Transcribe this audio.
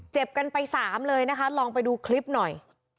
เจ็บกันไปสามเลยนะคะลองไปดูคลิปหน่อย